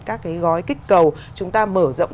các cái gói kích cầu chúng ta mở rộng